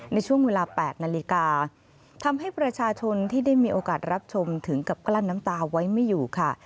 ในช่วงเวลา๘นาฬิกาทำให้ประชาชนที่ได้มีโอกาสรับชมถึงกับกลั้นน้ำตาไว้ไม่อยู่ค่ะ